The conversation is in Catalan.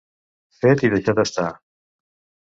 Fet i deixat estar.